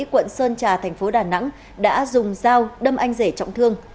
quận sơn trà thành phố đà nẵng đã dùng dao đâm anh rể trọng thương